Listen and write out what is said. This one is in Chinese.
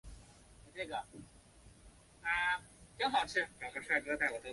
云贵腺药珍珠菜是报春花科珍珠菜属腺药珍珠菜的变种。